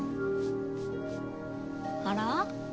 あら？